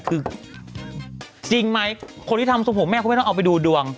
คือจริงไหมคนที่ทำทรงผมแม่เขาไม่ต้องเอาไปดูดวง